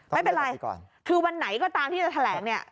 ไม่เป็นไรคือวันไหนก็ตามที่จะแถลงเนี่ย